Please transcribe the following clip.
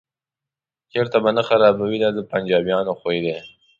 چرت به نه خرابوي دا د پنجابیانو خوی دی.